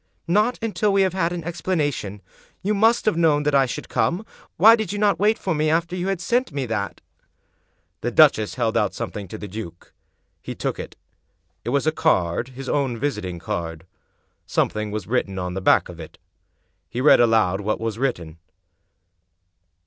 "Not until we have had an explanation. You must have known that I should come. Why did you not wait for me after you had sent me that?" The duchess held out something to the duke. He took it. It was a card— his own visiting card. Something was written on the back of it. He read aloud what was written.